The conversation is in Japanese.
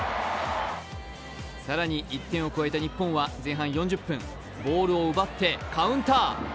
更に１点を加えた日本は前半４０分、ボールを奪ってカウンター。